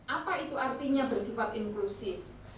apa itu artinya bersifat inklusif